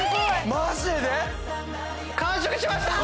マジで⁉完食しました！